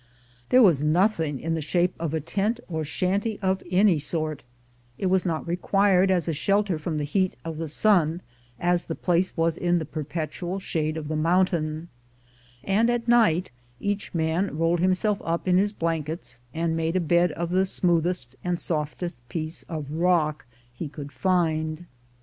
There was nothing in the shape of a tent or shant>' of any sort; it was not required as a shelter from the heat of the sun, as the place was in the per petual shade of the mountain, and at night each man rolled himself up in his blankets, and made a bed of the smoothest and softest piece of rock he could find.